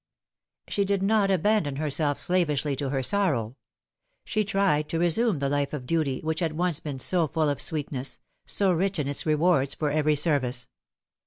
She did not abandon herself slavishly to her Borrow. She tried to resume the life of duty which had once been so full of sweetness, so rich in its rewards for every service.